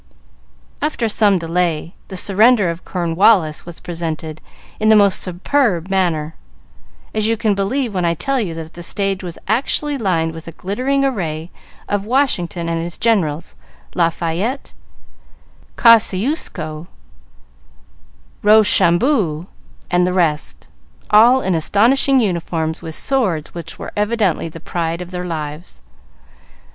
After some delay, "The Surrender of Cornwallis" was presented in the most superb manner, as you can believe when I tell you that the stage was actually lined with a glittering array of Washington and his generals, Lafayette, Kosciusko, Rochambeau and the rest, all in astonishing uniforms, with swords which were evidently the pride of their lives.